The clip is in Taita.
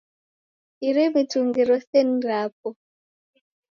Iri mitungi rose ni rapo